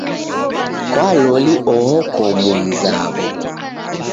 Kwa loli oho ko mumzaw'o.